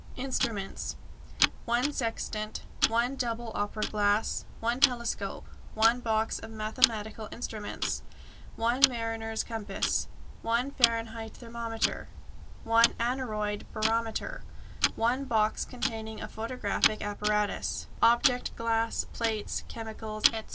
Instruments: 1 sextant, 1 double opera glass, 1 telescope, 1 box of mathematical instruments, 1 mariner's compass, 1 Fahrenheit thermometer, 1 aneroid barometer, 1 box containing a photographic apparatus, object glass, plates, chemicals, etc.